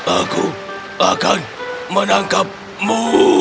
aku akan menangkapmu